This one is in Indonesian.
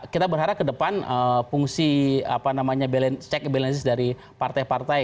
kita berharap ke depan fungsi check and balances dari partai partai